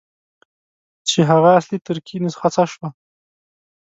چې هغه اصلي ترکي نسخه څه شوه.